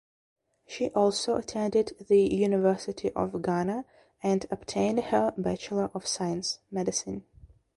She also attended the University of Ghana and obtained her Bachelor of Science (Medicine).